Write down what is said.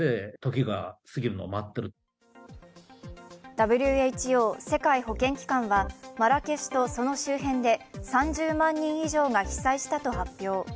ＷＨＯ＝世界保健機関はマラケシュとその周辺で３０万人以上が被災したと発表。